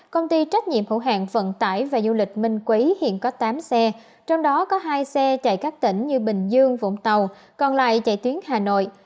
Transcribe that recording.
công ty trách nhiệm hữu hạng vận tải và du lịch minh quý hiện có tám xe trong đó có hai xe chạy các tỉnh như bình dương vũng tàu còn lại chạy tuyến hà nội